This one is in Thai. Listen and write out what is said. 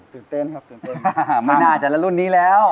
ตื่นเต้นครับตื่นเต้นไม่น่าจะแล้วรุ่นนี้แล้ว